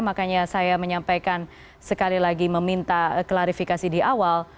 makanya saya menyampaikan sekali lagi meminta klarifikasi di awal